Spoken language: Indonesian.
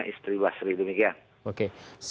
istri basri demikian oke